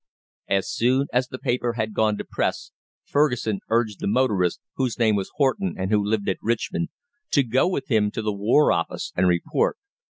As soon as the paper had gone to press Fergusson urged the motorist whose name was Horton, and who lived at Richmond to go with him to the War Office and report.